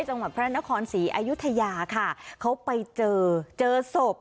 จังหวัดพระนครศรีอายุทยาค่ะเขาไปเจอเจอศพ